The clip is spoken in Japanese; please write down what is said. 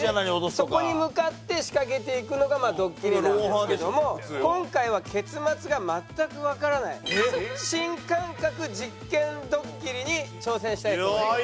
そこに向かって仕掛けていくのがドッキリなんですけども今回は結末が全くわからない新感覚実験ドッキリに挑戦したいと思います。